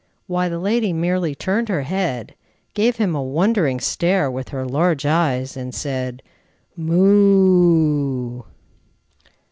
Why, the lady merely turned her head, gave him a wondering stare with her large eyes, and said, "Moo o o o!"